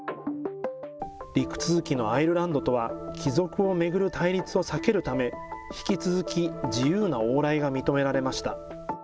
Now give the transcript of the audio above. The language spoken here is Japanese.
陸続きのアイルランドとは帰属を巡る対立を避けるため、引き続き自由な往来が認められました。